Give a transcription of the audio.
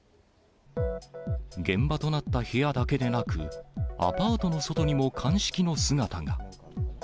現場となった部屋だけでなく、アパートの外にも鑑識の姿が。